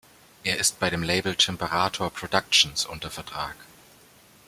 Er ist bei dem Label "Chimperator Productions" unter Vertrag.